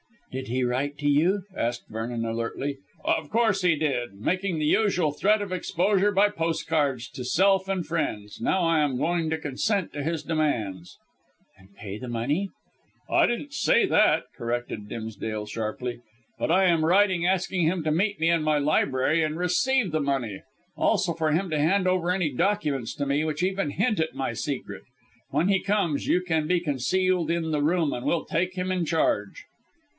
"Did he write to you?" asked Vernon alertly. "Of course he did, making the usual threat of exposure by postcards to self and friends. Now I am going to consent to his demands." "And pay the money?" "I didn't say that," corrected Dimsdale sharply, "but I am writing asking him to meet me in my library, and receive the money; also for him to hand over any documents to me which even hint at my secret. When he comes, you can be concealed in the room and we'll take him in charge."